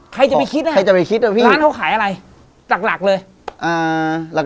ใครจะไปคิดนะครับพี่ร้านเขาขายอะไรหลักเลยพี่ใครจะไปคิดนะ